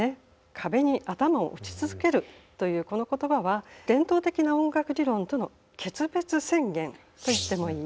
壁に頭を打ち続けるというこの言葉は伝統的な音楽理論との決別宣言と言ってもいい。